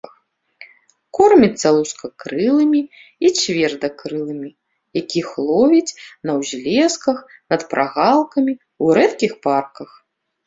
Корміцца лускакрылымі і цвердакрылымі, якіх ловіць на ўзлесках, над прагалкамі, у рэдкіх парках.